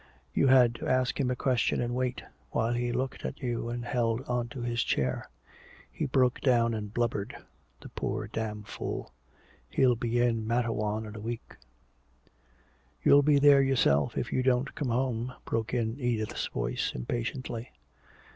You had to ask him a question and wait while he looked at you and held onto his chair. He broke down and blubbered the poor damn fool he'll be in Matteawan in a week " "You'll be there yourself if you don't come home," broke in Edith's voice impatiently.